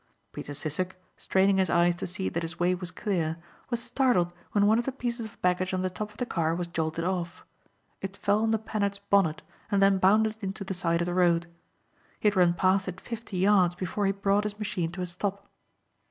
Peter Sissek, straining his eyes to see that his way was clear, was startled when one of the pieces of baggage on the top of the car was jolted off. It fell on the Panhard's bonnet and then bounded into the side of the road. He had run past it fifty yards before he brought his machine to a stop.